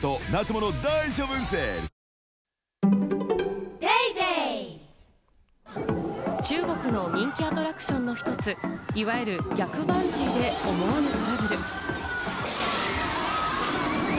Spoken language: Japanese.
ニトリ中国の人気アトラクションの１つ、いわゆる逆バンジーで思わぬトラブル。